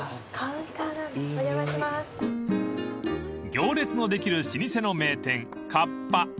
［行列のできる老舗の名店かっぱ］